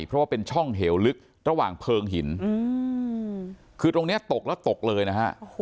เพราะว่าเป็นช่องเหวลึกระหว่างเพลิงหินคือตรงนี้ตกแล้วตกเลยนะฮะ